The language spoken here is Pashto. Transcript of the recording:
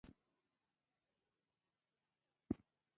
نویو فکرونو ته لاره خلاصه کړو.